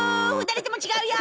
２人とも違うよ！